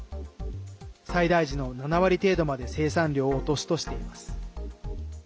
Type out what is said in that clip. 最大時の７割程度まで生産量を落とすとしています。